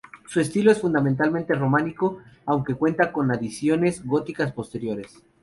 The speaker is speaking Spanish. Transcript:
Su estilo es fundamentalmente románico, aunque cuenta con adiciones góticas posteriores.